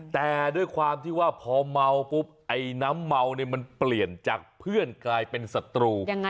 แต่ด้วยความที่ว่าพอเมาปุ๊บไอ้น้ำเมาเนี่ยมันเปลี่ยนจากเพื่อนกลายเป็นศัตรู